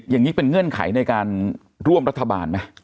อย่างนี้เป็นเงื่อนไขในการร่วมรัฐบาลไหม